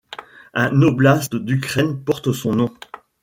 Un oblast d'Ukraine porte son nom.